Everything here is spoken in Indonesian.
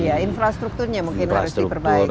infrastrukturnya mungkin harus diperbaiki